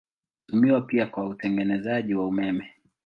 Hutumiwa pia kwa utengenezaji wa umeme.